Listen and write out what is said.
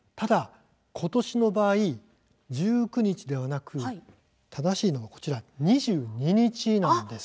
ことしの場合１９日ではなく正しいのは２２日なんです。